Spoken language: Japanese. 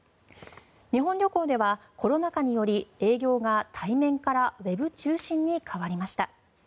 日本旅行ではコロナ禍により営業が対面からウェブ中心に変わりました。